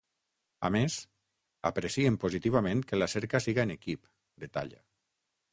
A més, aprecien positivament que la cerca siga en equip, detalla.